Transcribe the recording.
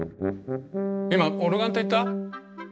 今オルガンって言った？